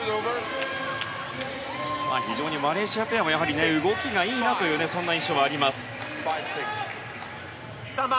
非常にマレーシアペアも動きがいいなというそんな印象があります。